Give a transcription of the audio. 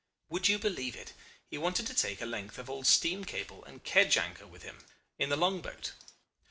Would you believe it? He wanted to take a length of old stream cable and a kedge anchor with him in the long boat.